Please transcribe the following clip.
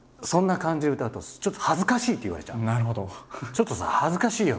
「ちょっとさ恥ずかしいよ」